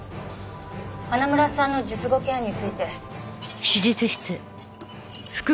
花村さんの術後ケアについて。